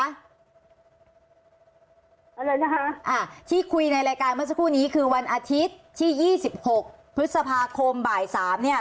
อะไรนะคะที่คุยในรายการเมื่อสักครู่นี้คือวันอาทิตย์ที่๒๖พฤษภาคมบ่าย๓เนี่ย